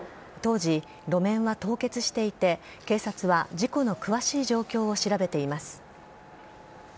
当時、路面は凍結していて警察は事故の詳しい状況を調べています。